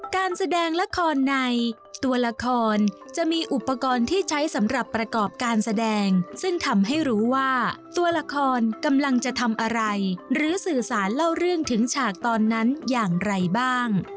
การแสดงละครในตัวละครจะมีอุปกรณ์ที่ใช้สำหรับประกอบการแสดงซึ่งทำให้รู้ว่าตัวละครกำลังจะทำอะไรหรือสื่อสารเล่าเรื่องถึงฉากตอนนั้นอย่างไรบ้าง